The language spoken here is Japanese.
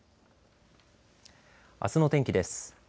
あすの天気です。